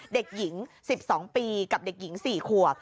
เด็กหญิง๑๒ปีกับเด็กหญิง๔ขวบ